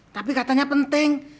tapi katanya penting